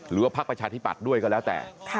หรือว่าพักประชาธิบัติด้วยก็แล้วแต่